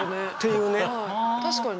確かに。